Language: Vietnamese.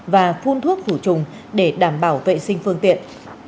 và phun thuốc khử trùng để đảm bảo vệ sinh phương tiện